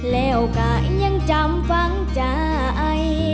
แล้วก็ยังจำฟังใจ